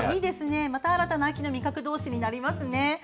また新たな秋の味覚同士になりますね。